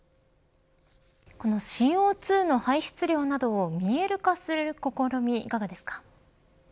このＣＯ２の排出量などを見える化する試みいかがですか。